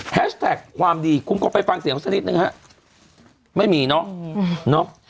แท็กความดีคุ้มก็ไปฟังเสียงเขาสักนิดนึงฮะไม่มีเนอะเนาะ